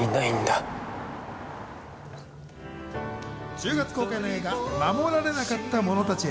１０月公開の映画『護られなかった者たちへ』。